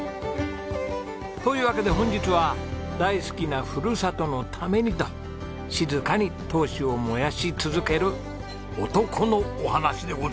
というわけで本日は大好きなふるさとのためにと静かに闘志を燃やし続ける男のお話でございます。